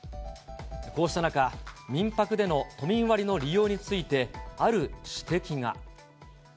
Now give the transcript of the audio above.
こうした中、民泊での都民割の利用について、ある指摘が。